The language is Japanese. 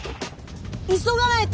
急がないと。